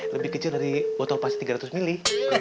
lebih kecil dari botol plastik tiga ratus mili